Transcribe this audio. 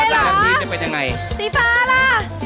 สีฟ้าไม่มีกล่องเตียร์เลยเหรอสีฟ้าล่ะ